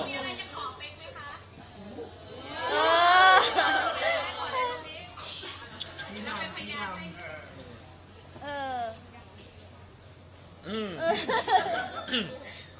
มีอะไรจะขอเป๊กไหมคะ